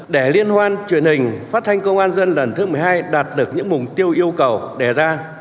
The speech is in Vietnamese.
để liên hoan truyền hình phát thanh công an dân lần thứ một mươi hai đạt được những mục tiêu yêu cầu đề ra